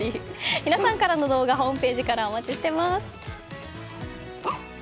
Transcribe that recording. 皆さんからの動画ホームページからお待ちしてます。